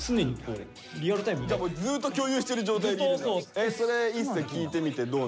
ずっと共有してる状態でいるんだ。